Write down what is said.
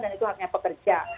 dan itu haknya pekerja